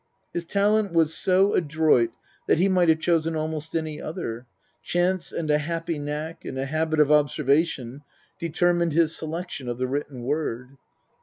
His talent was so adroit that he might have chosen almost any other ; chance and a happy knack and a habit of observation determined his selection of the written word.